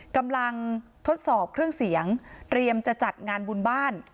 กำลังทดสอบเครื่องเสียงเตรียมจะจัดงานบุญบ้าน